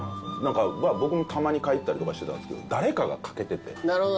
僕もたまに帰ったりとかしてたんですけど誰かが欠けてて。